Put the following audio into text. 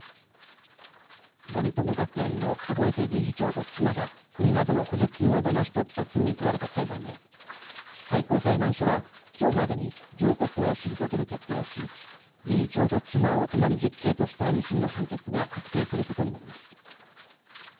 森友学園の籠池理事長と妻が国などの補助金をだまし取った罪に問われた裁判で最高裁判所は、きょうまでに上告を退ける決定をし理事長と妻を共に実刑とした２審の判決が確定することになります。